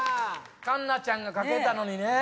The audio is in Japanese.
環奈ちゃんが書けたのにねぇ。